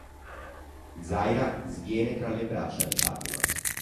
Zaira sviene tra le braccia di Fatima.